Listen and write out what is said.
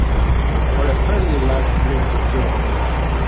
Or a fairly large brick would do.